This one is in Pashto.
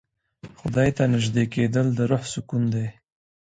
خدای ته نژدې کېدل د روح سکون دی.